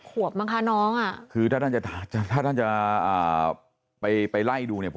ขวบมั้งคะน้องอะคือถ้าท่านจะไปไล่ดูเนี่ย